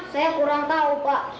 saya kurang tahu